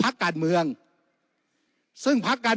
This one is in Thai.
วุฒิสภาจะเขียนไว้ในข้อที่๓๐